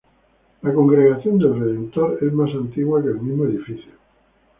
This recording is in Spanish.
La congregación del Redentor es más antigua que el mismo edificio.